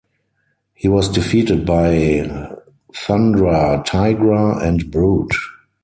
He was defeated by Thundra, Tigra, and Brute.